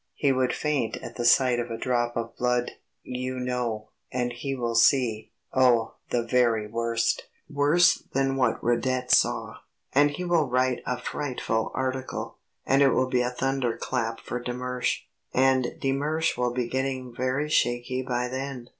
He would faint at the sight of a drop of blood, you know, and he will see oh, the very worst, worse than what Radet saw. And he will write a frightful article, and it will be a thunderclap for de Mersch.... And de Mersch will be getting very shaky by then.